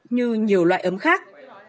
như nhiều loại ấm khác